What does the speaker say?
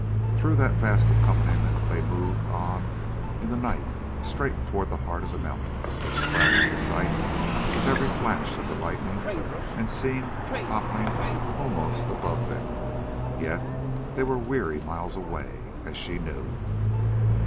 Through that vast accompaniment they moved on in the night straight toward the heart of the mountains which sprang into sight with every flash of the lightning and seemed toppling almost above them, yet they were weary miles away, as she knew.